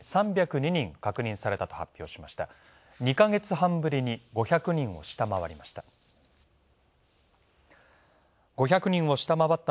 ２ヵ月半ぶりに５００人を下回りました。